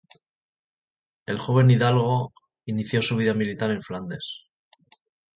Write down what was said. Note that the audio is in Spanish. El joven hidalgo, inició su vida militar en Flandes.